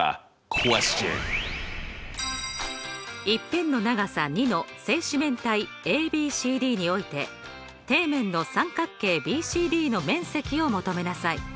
１辺の長さ２の正四面体ＡＢＣＤにおいて底面の三角形ＢＣＤの面積を求めなさい。